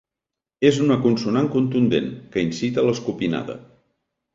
És una consonant contundent, que incita a l'escopinada.